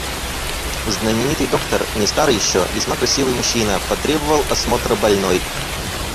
Знаменитый доктор, не старый еще, весьма красивый мужчина, потребовал осмотра больной.